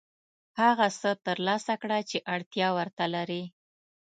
هغه څه ترلاسه کړه چې اړتیا ورته لرې.